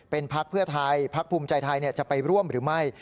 เป็นพักเพื่อไทยพักภูมิใจไทยจะไปร่วมหรือไม่